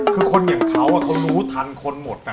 คือคนอย่างเขาเขารู้ทันคนหมด